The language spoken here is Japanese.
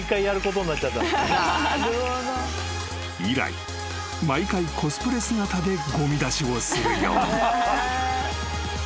［以来毎回コスプレ姿でごみ出しをするように］